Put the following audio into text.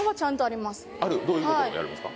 どういうことをやるんですか？